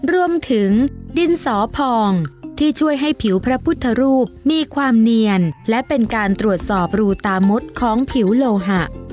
รวมถึงดินสอพองที่ช่วยให้ผิวพระพุทธรูปมีความเนียนและเป็นการตรวจสอบรูตามุดของผิวโลหะ